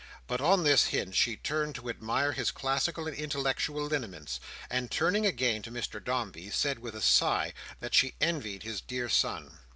But, on this hint, she turned to admire his classical and intellectual lineaments, and turning again to Mr Dombey, said, with a sigh, that she envied his dear son.